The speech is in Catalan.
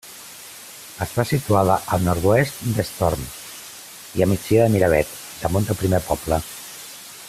Està situada al nord-oest d'Estorm i a migdia de Miravet, damunt del primer poble.